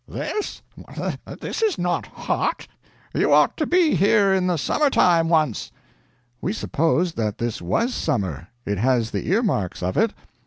This is not hot. You ought to be here in the summer time once." "We supposed that this was summer; it has the ear marks of it.